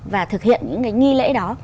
và thực hiện những cái nghi lễ đó